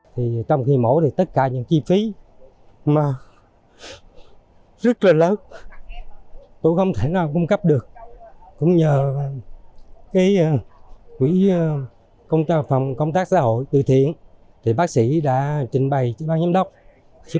quỹ từ tâm quỹ hỗ trợ bệnh nhân nghèo của bệnh viện còn hỗ trợ hơn hai tỷ đồng cho bệnh nhân nghèo